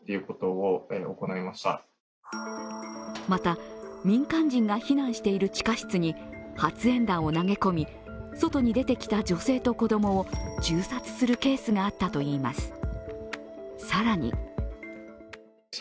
また民間人が避難している地下室に発煙弾を投げ込み外に出てきた女性と子供を銃殺するケースがあったといいます。